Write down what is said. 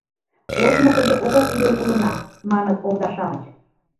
«Ожно тыге огыл илен улына», — маныт овда-шамыч.